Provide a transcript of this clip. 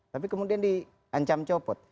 tapi kemudian diancam copot